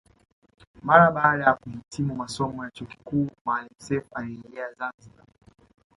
Mara baada ya kuhitimu masomo ya chuo kikuu Maalim Self alirejea Zanzibari